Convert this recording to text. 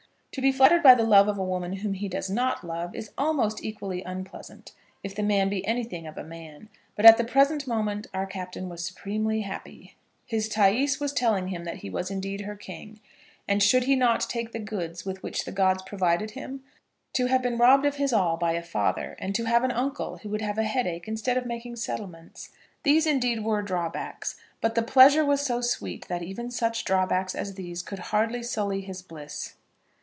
To be flattered by the love of a woman whom he does not love is almost equally unpleasant, if the man be anything of a man. But at the present moment our Captain was supremely happy. His Thais was telling him that he was indeed her king, and should he not take the goods with which the gods provided him? To have been robbed of his all by a father, and to have an uncle who would have a headache instead of making settlements, these indeed were drawbacks; but the pleasure was so sweet that even such drawbacks as these could hardly sully his bliss.